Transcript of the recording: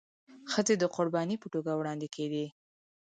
ښځي د قرباني په توګه وړاندي کيدي.